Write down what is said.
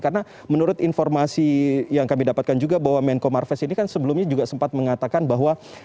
karena menurut informasi yang kami dapatkan juga bahwa menko marfest ini kan sebelumnya juga sempat mengatakan bahwa